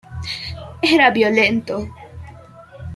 Era violento.